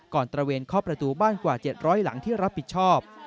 ตระเวนเคาะประตูบ้านกว่า๗๐๐หลังที่รับผิดชอบ